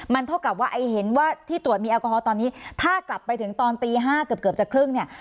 มันเท่ากับว่าไอ้เห็นว่าที่ตรวจมีแอลกอฮอลตอนนี้ถ้ากลับไปถึงตอนตี๕เกือบจะครึ่งเนี่ย